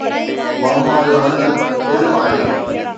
معما جو حل علم آهي